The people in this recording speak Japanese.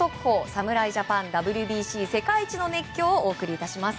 侍ジャパンＷＢＣ世界一の熱狂！」をお送りいたします。